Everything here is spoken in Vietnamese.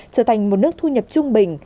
trở thành một nước thu nhập trung bình